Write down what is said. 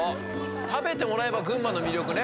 食べてもらえば群馬の魅力ね